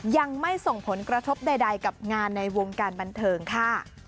ยังไม่ส่งผลกระทบใดกับงานในวงการบันเทิงค่ะ